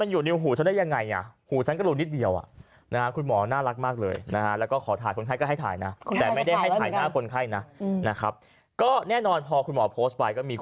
อยู่ในหูฉันได้ยังไง